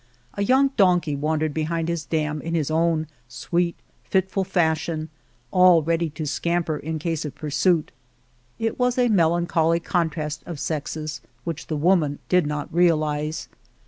A young donkey wandered behind his dam in his own sweet, fitful fashion, all ready to scamper in case of pursuit. It was a melancholy contrast of sexes, which the woman did not realize.